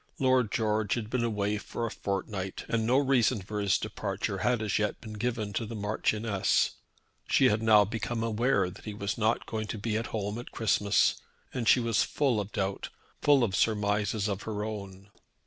Lord George had been away for a fortnight, and no reason for his departure had as yet been given to the Marchioness. She had now become aware that he was not to be at home at Christmas, and she was full of doubt, full of surmises of her own.